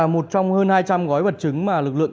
một trong hơn hai trăm linh gói vật chứng mà lực lượng